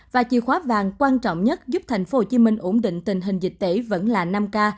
và chìa khóa vàng quan trọng nhất giúp tp hcm ổn định tình hình dịch tễ vẫn là năm k